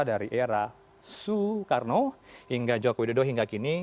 dari era soekarno hingga jokowi dodo hingga kini